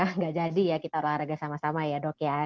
tidak jadi ya kita olahraga sama sama ya dok ya